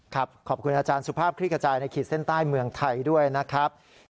ขอบคุณอาจารย์สุภาพคลิกกระจายในขีดเส้นใต้เมืองไทยด้วยนะครับ